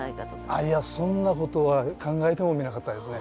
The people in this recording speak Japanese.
いやそんなことは考えてもみなかったですね。